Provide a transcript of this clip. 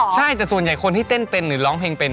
ใช่แต่ส่วนใหญ่คนที่เต้นเป็นหรือร้องเพลงเป็น